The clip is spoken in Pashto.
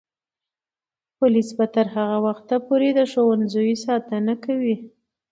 پولیس به تر هغه وخته پورې د ښوونځیو ساتنه کوي.